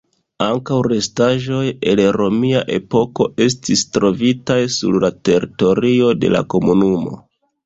Ankaŭ restaĵoj el romia epoko estis trovitaj sur la teritorio de la komunumo.